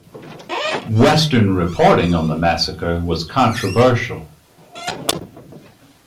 Western reporting on the massacre was controversial.